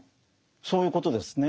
そういうことですね。